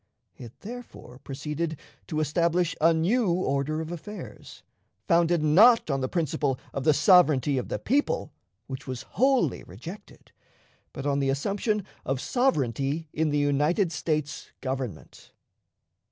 It, therefore, proceeded to establish a new order of affairs, founded, not on the principle of the sovereignty of the people, which was wholly rejected, but on the assumption of sovereignty in the United States Government.